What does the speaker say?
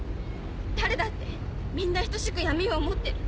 誰だってみんな等しく闇を持ってる。